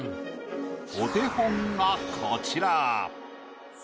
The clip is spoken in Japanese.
お手本がこちら。